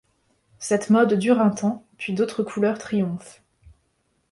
Cette mode dure un temps, puis d'autres couleurs triomphent.